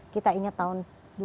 kita ingat tahun dua ribu